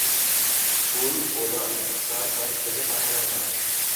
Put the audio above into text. ফুল ওলা তার কাছ থেকে টাকা নেয় না!